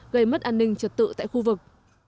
gây mất an ninh trật tự tại khu vực